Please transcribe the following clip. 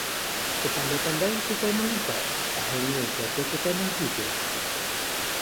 Sepandai-pandai tupai melompat, akhirnya jatuh ke tanah juga.